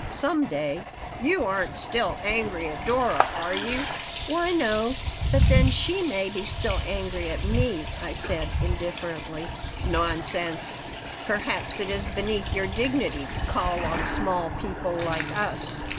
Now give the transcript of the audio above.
"Some day." "You aren't still angry at Dora, are you?" "Why, no. But then she may be still angry at me," I said, indifferently "Nonsense. Perhaps it is beneath your dignity to call on small people like us?